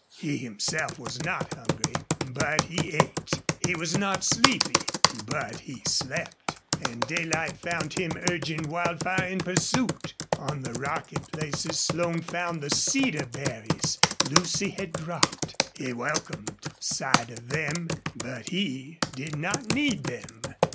He himself was not hungry, but he ate; he was not sleepy, but he slept. And daylight found him urging Wildfire in pursuit. On the rocky places Slone found the cedar berries Lucy had dropped. He welcomed sight of them, but he did not need them.